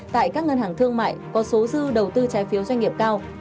tại các ngân hàng thương mại có số dư đầu tư trái phiếu doanh nghiệp cao